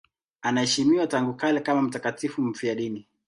Anaheshimiwa tangu kale kama mtakatifu mfiadini.